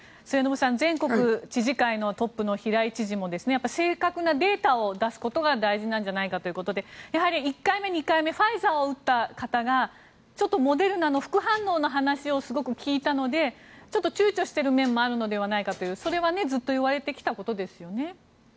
末延さん、全国知事会のトップの平井知事も正確なデータを出すことが大事なんじゃないかということでやはり１回目、２回目ファイザーを打った方がちょっとモデルナの副反応の話をすごく聞いたのでちょっと躊躇している面もあるのではないかというそれはずっといわれてきたことですよね。